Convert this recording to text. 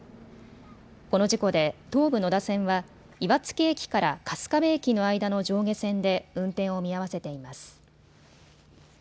この事故で東武野田線は岩槻駅から春日部駅の間の上下線で運転を見合わせています。